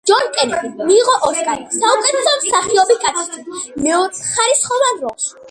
ჯონ კენედიმ მიიღო ოსკარი საუკეთესო მსახიობი კაცისთვის მეორეხარისხოვან როლში.